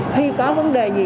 khi có vấn đề gì